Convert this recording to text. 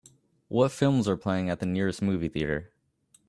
What films are playing at the nearest movie theatre